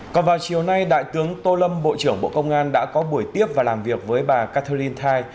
còn vào chiều nay đại tướng tô lâm bộ trưởng bộ công an đã có buổi tiếp và làm việc với bà catherine